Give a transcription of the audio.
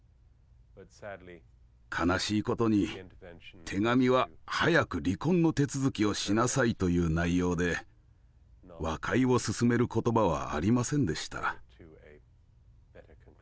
悲しいことに手紙は「早く離婚の手続きをしなさい」という内容で和解をすすめる言葉はありませんでした。